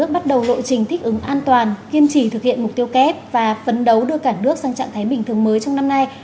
bắt đầu lộ trình thích ứng an toàn kiên trì thực hiện mục tiêu kép và phấn đấu đưa cả nước sang trạng thái bình thường mới trong năm nay